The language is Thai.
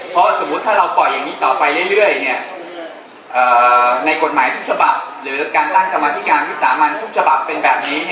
เพราะสมมุติถ้าเราปล่อยอย่างนี้ต่อไปเรื่อยในกฎหมายทุกฉบับหรือการร่างกรรมธิการวิสามันทุกฉบับเป็นแบบนี้